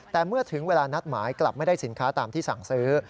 แต่เมื่อถึงเวลานัดหมายกลับไม่ได้สินค้าตามที่สั่งซื้อ